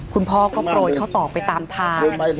คุณพ่อก็โปรยข้าวตอกไปตามทาง